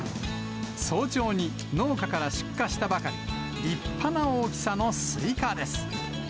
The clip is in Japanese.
早朝に農家から出荷したばかり、立派な大きさのスイカです。